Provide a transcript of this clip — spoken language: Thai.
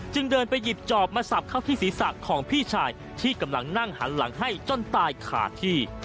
เดินไปหยิบจอบมาสับเข้าที่ศีรษะของพี่ชายที่กำลังนั่งหันหลังให้จนตายขาดที่